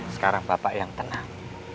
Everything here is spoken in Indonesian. sekarang bapak yang tenang